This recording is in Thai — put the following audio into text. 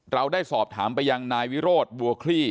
เราได้สอบถามไปยังนายวิโรธบัวคลี่